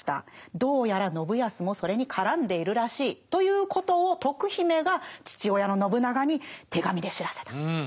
どうやら信康もそれに絡んでいるらしいということを徳姫が父親の信長に手紙で知らせた。